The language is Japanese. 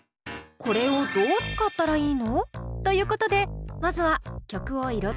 「これをどう使ったらいいの？」ということでまずは曲をいろ